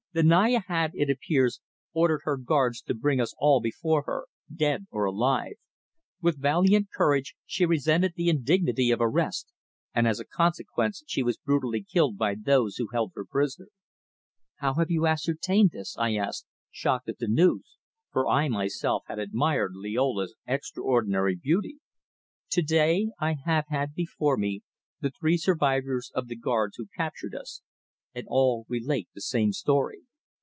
The Naya had, it appears, ordered her guards to bring us all before her, dead or alive. With valiant courage she resented the indignity of arrest, and as a consequence she was brutally killed by those who held her prisoner." "How have you ascertained this?" I asked, shocked at the news, for I myself had admired Liola's extraordinary beauty. "To day I have had before me the three survivors of the guards who captured us, and all relate the same story.